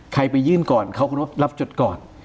ไปยื่นก่อนเขาก็รับจดก่อน